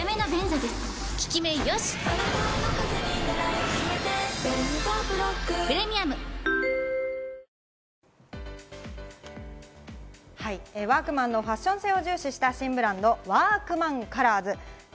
やさしい確定申告はｆｒｅｅｅワークマンのファッション性を重視した新ブランド、ワークマンカラーズ。